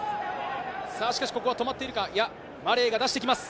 ここは止まっているか、マレーが出してきます。